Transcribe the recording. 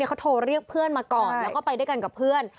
เขาโทรเรียกเพื่อนมาก่อนแล้วก็ไปด้วยกันกับเพื่อน